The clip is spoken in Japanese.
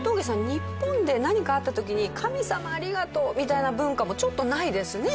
日本で何かあった時に「神様ありがとう！」みたいな文化もちょっとないですね。